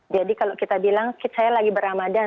jadi kalau kita bilang saya lagi beramadhan